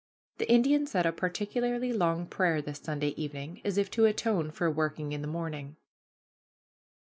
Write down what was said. The Indian said a particularly long prayer this Sunday evening, as if to atone for working in the morning.